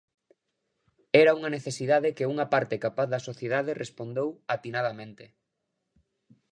Era unha necesidade que unha parte capaz da sociedade respondeu atinadamente.